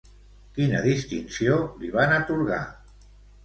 Quina distinció li van atorgar?